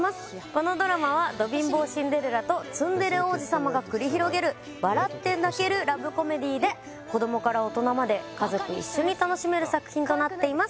このドラマはド貧乏シンデレラとツンデレ王子様が繰り広げる笑って泣けるラブコメディーで子どもから大人まで家族一緒に楽しめる作品となっています